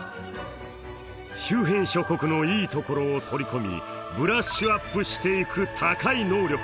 周辺諸国のいいところを取り込みブラッシュアップしていく高い能力